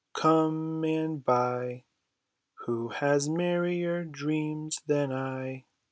come and buy; Who has merrier dreams than I